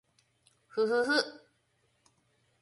ふふふ